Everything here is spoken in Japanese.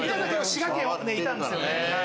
滋賀県はいたんですよね。